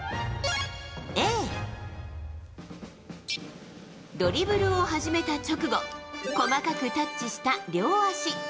Ａ、ドリブルを始めた直後細かくタッチした両足。